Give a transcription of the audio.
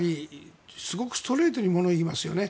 すごくストレートに物を言いますよね。